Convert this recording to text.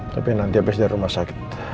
tapi nanti habis dari rumah sakit